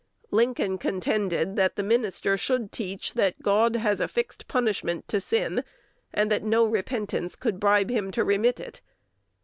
Lincoln contended that the minister should teach that God has affixed punishment to sin, and that no repentance could bribe him to remit it.